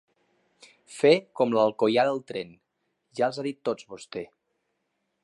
Fer com l'alcoià del tren: ja els ha dit tots vostè.